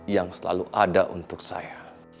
yang selalu ada untuk saya